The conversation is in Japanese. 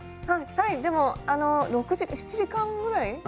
はいでもあの６時７時間ぐらい？